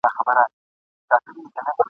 هم ګیله من یو له نصیب هم له انسان وطنه !.